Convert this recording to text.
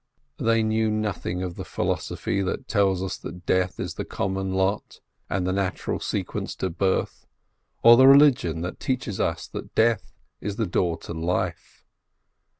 They knew nothing of the philosophy that tells us that death is the common lot, and the natural sequence to birth, or the religion that teaches us that Death is the door to Life.